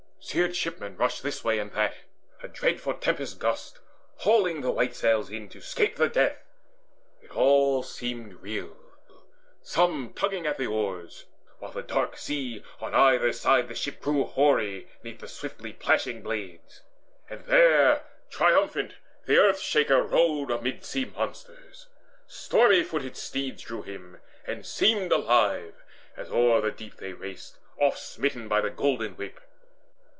Seared shipmen rushed This way and that, adread for tempest gusts, Hauling the white sails in, to 'scape the death It all seemed real some tugging at the oars, While the dark sea on either side the ship Grew hoary 'neath the swiftly plashing blades. And there triumphant the Earth shaker rode Amid sea monsters' stormy footed steeds Drew him, and seemed alive, as o'er the deep They raced, oft smitten by the golden whip.